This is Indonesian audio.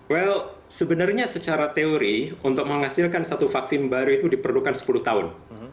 well sebenarnya secara teori untuk menghasilkan satu vaksin baru itu diperlukan sepuluh tahun